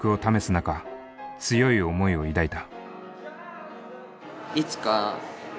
中強い思いを抱いた。